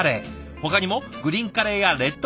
ほかにもグリーンカレーやレッドカレー